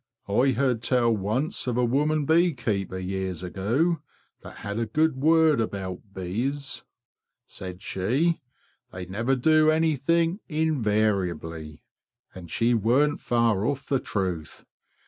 "T heard tell once of a woman bee keeper years ago, that had a good word about bees. Said she, 'They never do anything invariably'; and she warn't far off the truth.